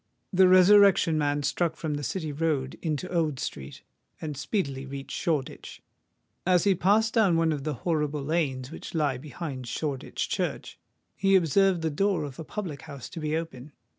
The Resurrection Man struck from the City Road into Old Street, and speedily reached Shoreditch. As he passed down one of the horrible lanes which lie behind Shoreditch Church, he observed the door of a public house to be open.